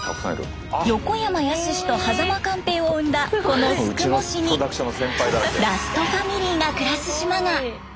横山やすしと間寛平を生んだこの宿毛市にラストファミリーが暮らす島が。